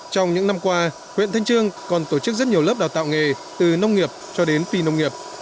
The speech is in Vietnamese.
trong những năm qua huyện thanh trương còn tổ chức rất nhiều lớp đào tạo nghề từ nông nghiệp cho đến phi nông nghiệp